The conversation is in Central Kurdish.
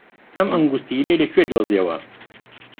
ئەم ئەنگوستیلەیەی لەکوێ دۆزییەوە؟